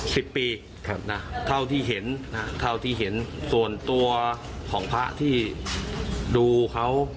สิบปีครับนะเท่าที่เห็นนะเท่าที่เห็นส่วนตัวของพระที่ดูเขา